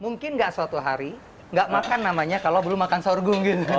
mungkin nggak suatu hari nggak makan namanya kalau belum makan sorghum gitu